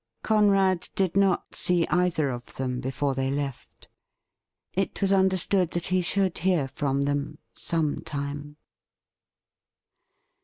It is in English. Conrad did not see either of them before they left. It was understood that he should hear from them — some time.